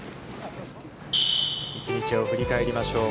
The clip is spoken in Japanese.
１日を振り返りましょう。